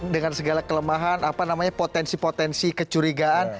dengan segala kelemahan potensi potensi kecurigaan